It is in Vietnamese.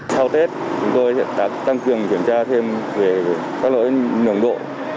sau tết chúng tôi sẽ tăng cường kiểm tra thêm về các lỗi nường độ